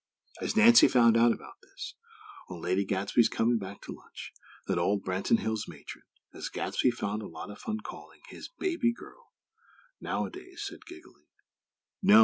As Nancy found out about this, on Lady Gadsby's coming back to lunch, that "old Branton Hills matron," as Gadsby found a lot of fun calling "his baby girl," now a days, said, giggling: "No!